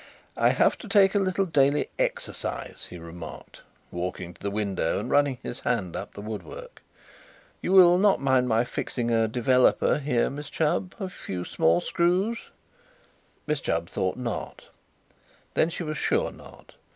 "I have to take a little daily exercise," he remarked, walking to the window and running his hand up the woodwork. "You will not mind my fixing a 'developer' here, Miss Chubb a few small screws?" Miss Chubb thought not. Then she was sure not.